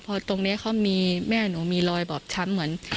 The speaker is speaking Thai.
พอตรงนี้เขามีแม่หนูมีรอยบอบช้ำเหมือน